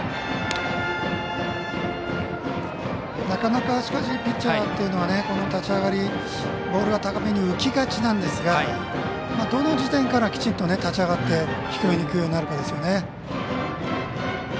なかなか、しかしピッチャーというのはこの立ち上がり、ボールが高めに浮きがちなんですがどの時点からきちっと立ち上がって低めにいくようになるかですよね。